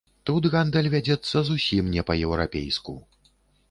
Тут гандаль вядзецца зусім не па-еўрапейску.